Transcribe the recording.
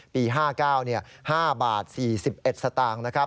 ปี๕๙๕บาท๔๑สตางค์นะครับ